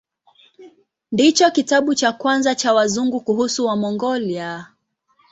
Ndicho kitabu cha kwanza cha Wazungu kuhusu Wamongolia.